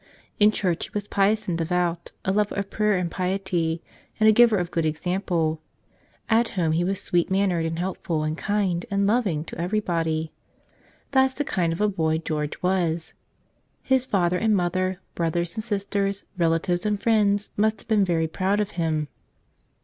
In church he was pious and devout, a lover of prayer and piety, and a giver of good example ; at home he was sweet man¬ nered and helpful and kind and loving to everybody. That's the kind of a boy George was. His father and mother, brothers and sisters, relatives and friends, must have been very proud of him.